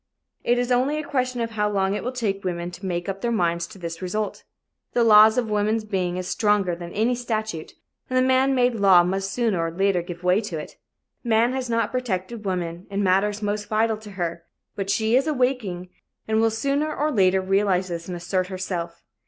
It is only a question of how long it will take women to make up their minds to this result. The law of woman's being is stronger than any statute, and the man made law must sooner or later give way to it. Man has not protected woman in matters most vital to her but she is awaking and will sooner or later realize this and assert herself.